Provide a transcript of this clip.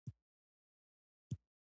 هغه مالیه نه وه ورکړې.